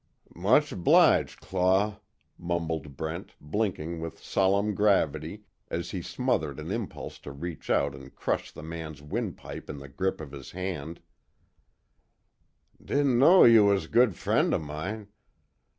"Much 'blige, Claw," mumbled Brent, blinking with solemn gravity, as he smothered an impulse to reach out and crush the man's wind pipe in the grip of his hand, "Didn't know you was good fren' of mine.